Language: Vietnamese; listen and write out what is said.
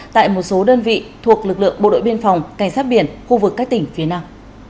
tại một số đơn vị thuộc lực lượng bộ đội biên phòng cảnh sát biển khu vực các tỉnh phía nam